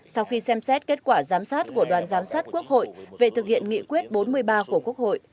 sau khi xem xét kết quả giám sát của đoàn giám sát quốc hội về thực hiện nghị quyết bốn mươi ba của quốc hội